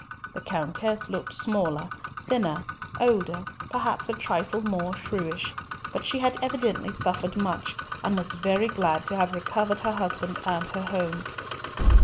The Countess looked smaller, thinner, older, perhaps a trifle more shrewish, but she had evidently suffered much, and was very glad to have recovered her husband and her home.